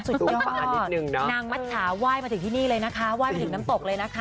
ป่านิดนึงเนาะนางมัชชาไหว้มาถึงที่นี่เลยนะคะไหว้มาถึงน้ำตกเลยนะคะ